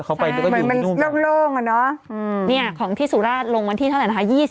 เขาก็แนะงาน